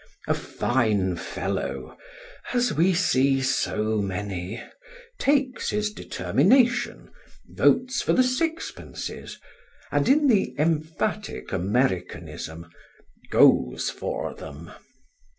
A fine fellow (as we see so many) takes his determination, votes for the sixpences, and in the emphatic Americanism, "goes for" them.